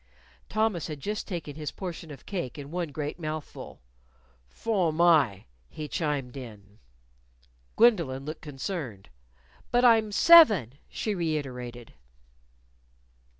Thomas had just taken his portion of cake in one great mouthful. "Fo'm my," he chimed in. Gwendolyn looked concerned. "But I'm seven," she reiterated.